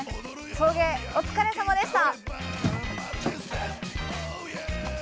送迎お疲れさまでした！